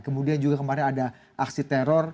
kemudian juga kemarin ada aksi teror